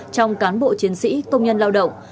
trong cán bộ chiến sĩ công nhân lao động